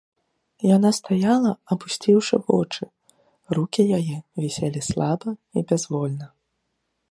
Яна стаяла, апусціўшы вочы, рукі яе віселі слаба і бязвольна.